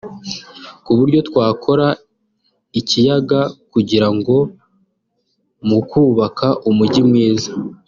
ku buryo twakora ikiyaga kugira ngo mu kubaka umujyi mwiza